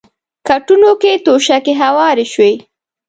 کټونو کې توشکې هوارې شوې.